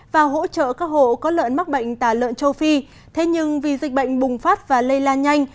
và hỗ trợ các hộ có lợn mắc bệnh tả lợn châu phi thế nhưng vì dịch bệnh bùng phát và lây lan nhanh